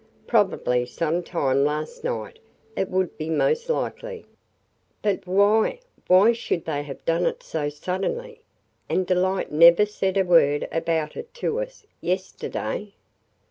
Probably some time last night. It would be most likely." "But why – why should they have done it so suddenly – and Delight never said a word about it to us – yesterday?"